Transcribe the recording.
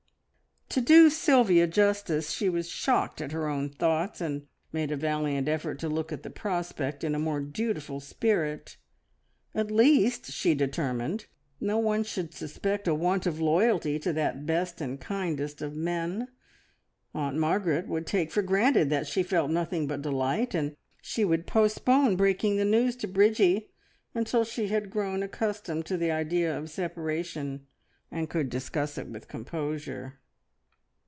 To do Sylvia justice she was shocked at her own thoughts, and made a valiant effort to look at the prospect in a more dutiful spirit. At least, she determined, no one should suspect a want of loyalty to that best and kindest of men! Aunt Margaret would take for granted that she felt nothing but delight, and she would postpone breaking the news to Bridgie until she had grown accustomed to the idea of separation, and could discuss it with composure.